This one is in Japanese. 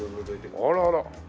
あらら。